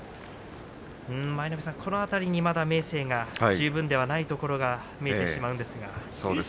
舞の海さん、この辺りにまだ明生が十分でないところがそうですね。